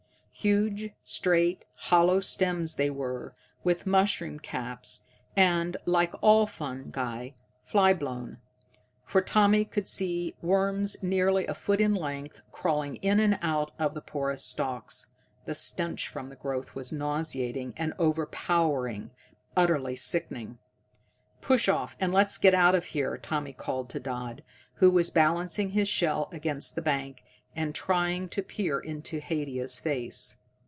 Huge, straight, hollow stems they were, with mushroom caps, and, like all fungi, fly blown, for Tommy could see worms nearly a foot in length crawling in and out of the porous stalks. The stench from the growth was nauseating and overpowering, utterly sickening. "Push off and let's get out of here!" Tommy called to Dodd, who was balancing his shell against the bank, and trying to peer into Haidia's face.